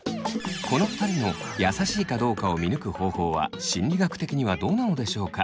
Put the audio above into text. この２人の優しいかどうかを見抜く方法は心理学的にはどうなのでしょうか？